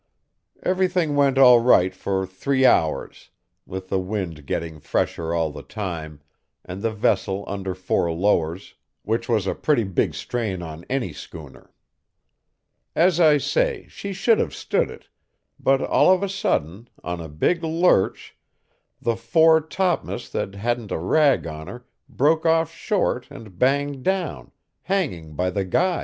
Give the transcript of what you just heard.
"Everything went all right for three hours, with the wind getting fresher all the time, and the vessel under four lowers, which was a pretty big strain on any schooner. As I say, she should have stood it, but all of a sudden, on a big lurch, the fore topm'st that hadn't a rag on her broke off short and banged down, hanging by the guys.